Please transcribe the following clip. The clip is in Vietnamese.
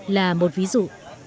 là một ví dụ